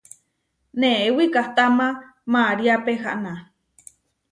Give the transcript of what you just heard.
Neé wikahtáma María pehána.